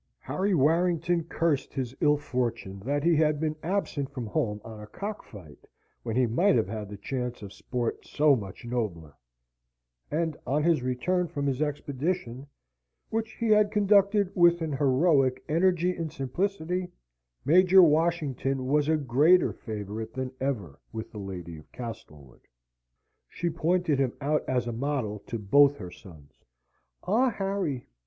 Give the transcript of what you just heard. Harry Warrington cursed his ill fortune that he had been absent from home on a cock fight, when he might have had chance of sport so much nobler; and on his return from his expedition, which he had conducted with an heroic energy and simplicity, Major Washington was a greater favourite than ever with the lady of Castlewood. She pointed him out as a model to both her sons. "Ah, Harry!"